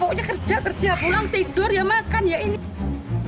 pokoknya kerja kerja pulang tidur ya makan ya ini